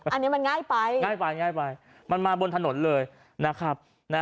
อันนี้มันง่ายไปง่ายไปง่ายไปมันมาบนถนนเลยนะครับ